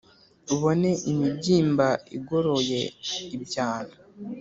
ubone imibyimba igoroye ibyano